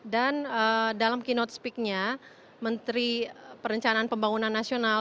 dan dalam keynote speak nya menteri perencanaan pembangunan nasional